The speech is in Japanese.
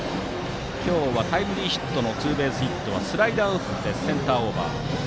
今日はタイムリーヒットのツーベースヒットはスライダーを打ってセンターオーバー。